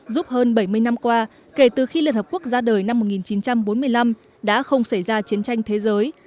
giúp hơn bảy mươi năm qua kể từ khi liên hợp quốc ra đời năm một nghìn chín trăm bốn mươi năm đã không xảy ra chiến tranh thế giới